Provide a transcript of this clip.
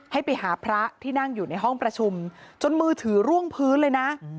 ให้ไปหาพระที่นั่งอยู่ในห้องประชุมจนมือถือร่วงพื้นเลยนะ